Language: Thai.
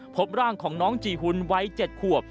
พบร่างของน้องจีหุ่นวัย๗ขวบ